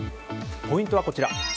ポイントはこちら。